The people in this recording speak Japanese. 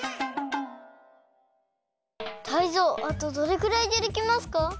タイゾウあとどれぐらいでできますか？